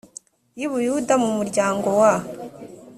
y i buyuda mu muryango wa